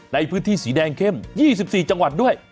ในพื้นที่สีแดงเข้ม๒๔จังหวัดด้วย